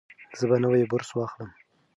زه به نوی برس واخلم.